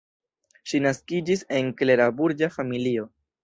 Ŝi naskiĝis en klera burĝa familio.